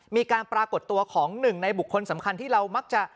มีการปรากฏตัวของหนึ่งในบุคคลสำคัญที่เรามักจะ